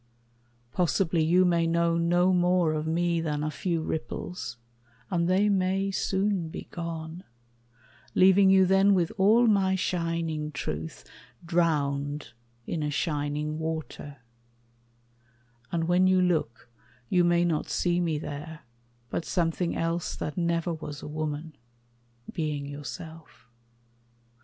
Possibly you may know no more of me Than a few ripples; and they may soon be gone, Leaving you then with all my shining truth Drowned in a shining water; and when you look You may not see me there, but something else That never was a woman being yourself.